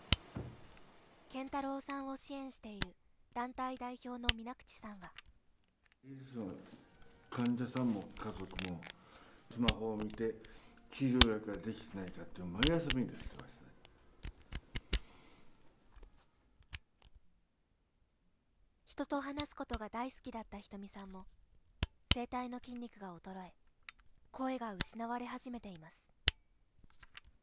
謙太郎さんを支援している団体代表の水口さんは人と話すことが大好きだった仁美さんも声帯の筋肉が衰え声が失われ始めています